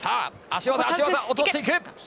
足技で落としていく。